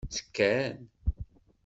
Ttekkan.